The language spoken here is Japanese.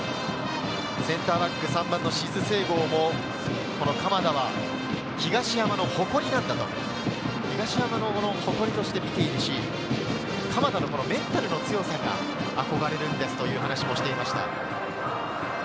センターバック３番の志津正剛も、鎌田は東山の誇りなんだと、東山の誇りとして見ている鎌田のメンタルの強さに憧れるんですと話をしていました。